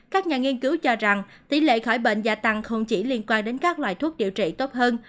các nhà nghiên cứu cho rằng tỷ lệ khỏi bệnh gia tăng không chỉ liên quan đến các loại thuốc điều trị tốt hơn